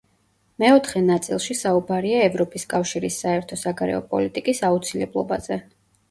მეოთხე ნაწილში საუბარია ევროპის კავშირის საერთო საგარეო პოლიტიკის აუცილებლობაზე.